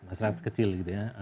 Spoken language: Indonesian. masyarakat kecil gitu ya